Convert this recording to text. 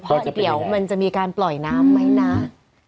เพราะเดี๋ยวมันจะมีการปล่อยน้ำไหมนะ